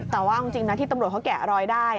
แต่ว่าเอาจริงนะที่ตำรวจเขาแกะรอยได้